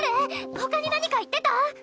ほかに何か言ってた？